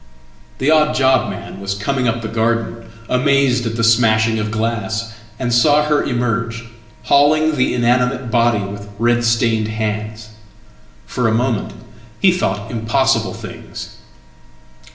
The odd job man was coming up the garden, amazed at the smashing of glass, and saw her emerge, hauling the inanimate body with red stained hands. Fora moment he thought impossible things."